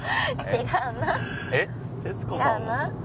違うな。